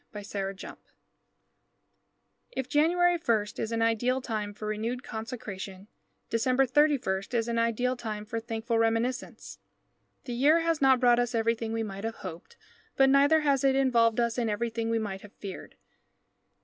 DECEMBER 31 If January 1 is an ideal time for renewed consecration, December 31 is an ideal time for thankful reminiscence. The year has not brought us everything we might have hoped, but neither has it involved us in everything we might have feared.